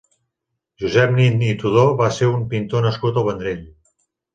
Josep Nin i Tudó va ser un pintor nascut al Vendrell.